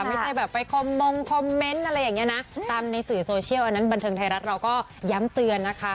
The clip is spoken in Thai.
ไม่ใช่แบบไปคอมมงคอมเมนต์อะไรอย่างนี้นะตามในสื่อโซเชียลอันนั้นบันเทิงไทยรัฐเราก็ย้ำเตือนนะคะ